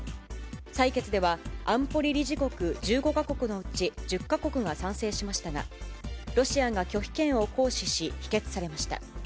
採決では安保理理事国１５か国のうち１０か国が賛成しましたが、ロシアが拒否権を行使し、否決されました。